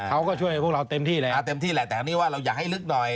เขาก็ช่วยพวกเราเต็มที่แล้วเต็มที่แหละแต่อันนี้ว่าเราอยากให้ลึกหน่อย